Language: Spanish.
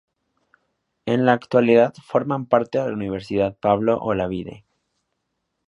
En la actualidad forman parte de la Universidad Pablo Olavide.